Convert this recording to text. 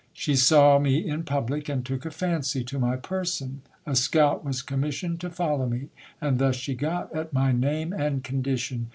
She saw me in public, and took a fancy to my person. A scout was commissioned to follow me, and thus she got at my name and condition.